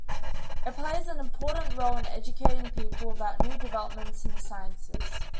It plays an important role in educating people about new developments in the sciences.